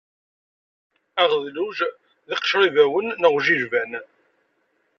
Aɣedluj d iqcer ibawen neɣ ujilban.